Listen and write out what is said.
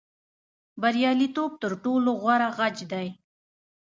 بریالیتوب تر ټولو غوره غچ دی.